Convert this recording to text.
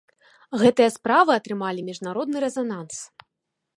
Гэтыя справы атрымалі міжнародны рэзананс.